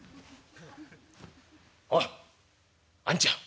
「おいあんちゃん」。